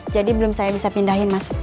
jadi belum saya bisa pindahin mas